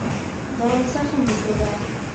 دا زخم وګوره.